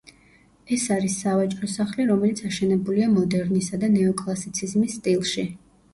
ეს არის სავაჭრო სახლი, რომელიც აშენებულია მოდერნისა და ნეოკლასიციზმის სტილში.